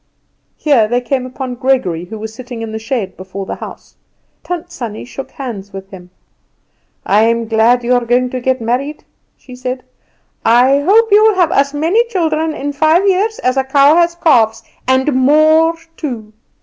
Here they came upon Gregory, who was sitting in the shade before the house. Tant Sannie shook hands with him. "I'm glad you're going to get married," she said. "I hope you'll have as many children in five years as a cow has calves, and more too.